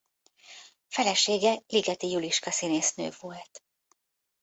Felesége Ligeti Juliska színésznő volt.